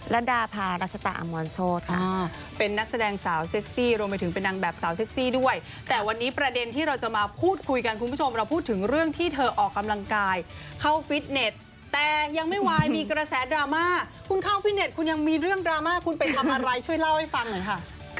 และดาพารัชตาอมรโซค่ะเป็นนักแสดงสาวเซ็กซี่รวมไปถึงเป็นนางแบบสาวเซ็กซี่ด้วยแต่วันนี้ประเด็นที่เราจะมาพูดคุยกันคุณผู้ชมเราพูดถึงเรื่องที่เธอออกกำลังกายเข้าฟิตเน็ตแต่ยังไม่วายมีกระแสดราม่าคุณเข้าฟิตเน็ตคุณยังมีเรื่องดราม่าคุณไปทำอะไรช่วยเล่าให้ฟังหน่อยค่ะ